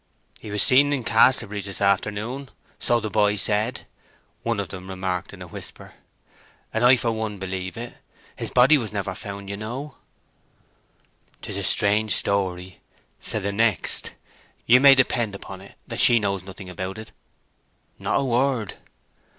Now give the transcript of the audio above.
"He was seen in Casterbridge this afternoon—so the boy said," one of them remarked in a whisper. "And I for one believe it. His body was never found, you know." "'Tis a strange story," said the next. "You may depend upon't that she knows nothing about it." "Not a word."